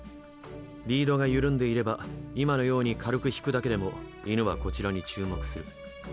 リードが緩んでいれば今のように軽く引くだけでも犬はこちらに注目する。